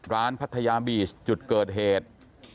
ร้านภัทยาบีสจุดเกิดเหตุ